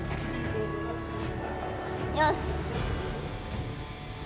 よし！